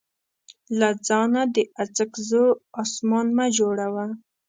له ځانه د اڅکزو اسمان مه جوړوه.